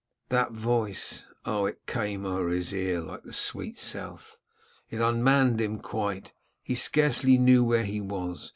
That voice! Oh! it came o'er his ear 'like the sweet south;' it unmanned him quite. He scarcely knew where he was.